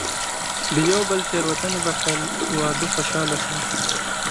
د یو بل تېروتنې بښل، واده خوشحاله ساتي.